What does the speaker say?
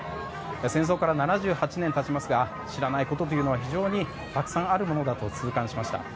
戦争から７８年経ちますが知らないことは非常にたくさんあるものだと痛感しました。